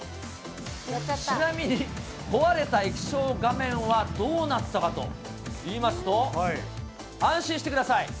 ちなみに、壊れた液晶画面はどうなったかといいますと、安心してください。